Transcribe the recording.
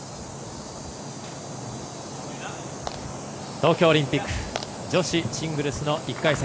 東京オリンピック女子シングルスの１回戦。